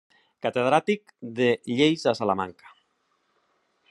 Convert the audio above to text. Catedràtic de lleis a Salamanca.